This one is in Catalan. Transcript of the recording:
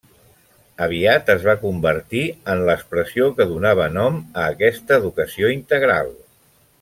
Aviat es va convertir en l'expressió que donava nom a aquesta educació integral.